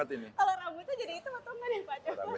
kalau rambutnya jadi hitam atau enggak nih pak